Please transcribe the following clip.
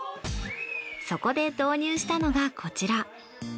そこで導入したのがこちら。